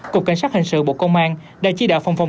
cục cảnh sát hình sự bộ công an đã chi đạo phòng phòng